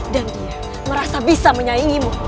dan dia merasa bisa menyaingimu